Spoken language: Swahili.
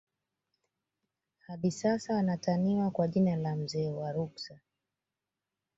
Hadi sasa anataniwa kwa jina la mzee wa Ruksa